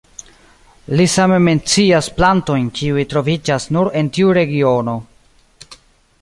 Li same mencias plantojn kiuj troviĝas nur en tiu regiono.